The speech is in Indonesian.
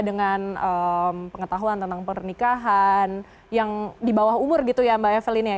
dengan pengetahuan tentang pernikahan yang di bawah umur gitu ya mbak evelyn ya